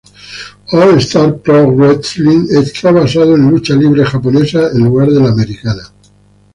All Star Pro-Wrrestling es basado en lucha libre japonesa en vez de americana.